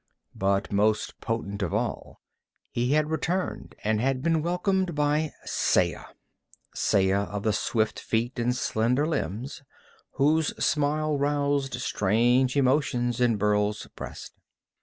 But most potent of all, he had returned and had been welcomed by Saya Saya of the swift feet and slender limbs, whose smile roused strange emotions in Burl's breast.